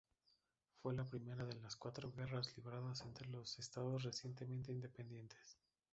Fue la primera de las cuatro guerras libradas entre los dos Estados recientemente independientes.